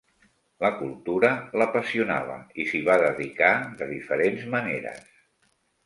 La cultura l'apassionava i s'hi va dedicar de diferents maneres.